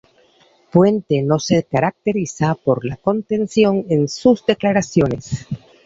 Puente no se caracteriza por la contención en sus declaraciones.